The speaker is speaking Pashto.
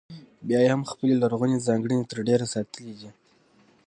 بیا یې هم خپلې لرغونې ځانګړنې تر ډېره ساتلې دي.